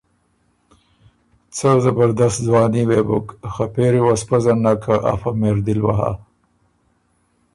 څۀ زبردست ځواني وې بُک خه پېری وه سو پزن نک، که ا فۀ مهردل وه هۀ۔